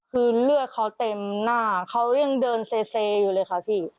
คือเลือดเขาเต็มหน้าเขายังเดินเซอยู่เลยค่ะพี่